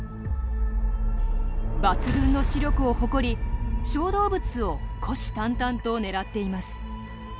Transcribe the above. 抜群の視力を誇り小動物を虎視たんたんと狙っています。